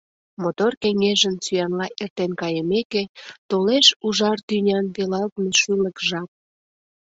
Мотор кеҥежын сӱанла эртен кайымеке, толеш ужар тӱнян велалтме шӱлык жап.